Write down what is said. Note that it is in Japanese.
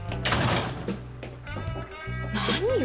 何よ！